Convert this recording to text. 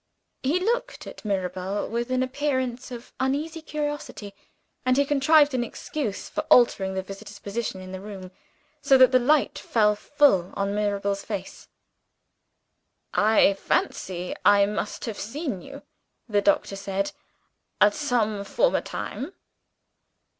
He looked at Mirabel with an appearance of uneasy curiosity; and he contrived an excuse for altering the visitor's position in the room, so that the light fell full on Mirabel's face. "I fancy I must have seen you," the doctor said, "at some former time."